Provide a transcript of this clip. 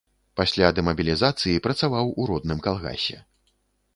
Пасля дэмабілізацыі працаваў у родным калгасе.